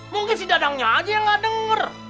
mungkin si dadangnya aja yang nggak dengar